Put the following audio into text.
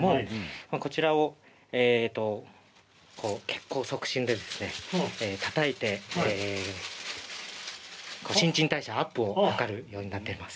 こちらを血行促進でたたいて新陳代謝アップを図るものになっています。